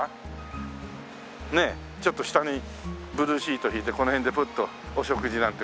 ねえちょっと下にブルーシート敷いてこの辺でプッとお食事なんて